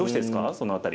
その辺り。